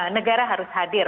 negara harus hadir